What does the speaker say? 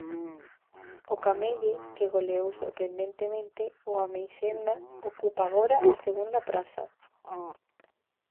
O Camelle, que goleou sorprendentemente ó Ameixenda, ocupa agora a segunda praza.